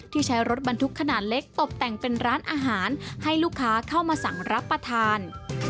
ใช้รถบรรทุกขนาดเล็กตบแต่งเป็นร้านอาหารให้ลูกค้าเข้ามาสั่งรับประทาน